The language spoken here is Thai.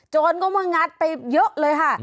จนก็มางัดไปเยอะเลยค่ะ